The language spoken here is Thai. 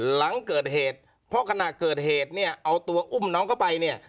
หลังเกิดเหตุเพราะขณะเกิดเหตุเนี่ยเอาตัวอุ้มน้องเข้าไปเนี่ย